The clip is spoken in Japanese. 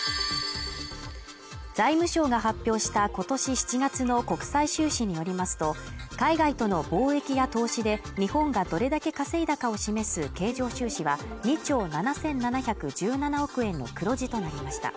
財務省が発表した今年７月の国際収支によりますと海外との貿易や投資で日本がどれだけ稼いだかを示す経常収支は２兆７７１７億円の黒字となりました